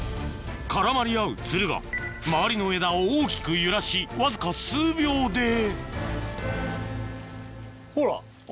絡まり合うツルが周りの枝を大きく揺らしわずか数秒でほら。